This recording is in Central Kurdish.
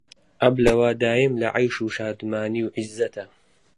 ئەبلە وا دایم لە عەیش و شادمانی و عیززەتا